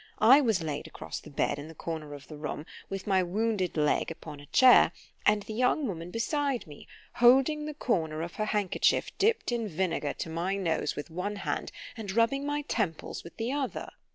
I was laid across the bed in the corner of the room, with my wounded leg upon a chair, and the young woman beside me, holding the corner of her handkerchief dipp'd in vinegar to my nose with one hand, and rubbing my temples with the other.